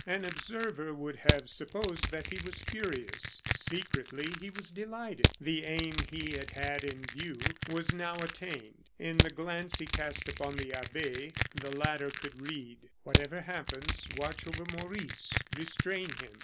An observer would have supposed that he was furious; secretly, he was delighted. The aim he had had in view was now attained. In the glance he cast upon the abbe, the latter could read: "Whatever happens, watch over Maurice; restrain him.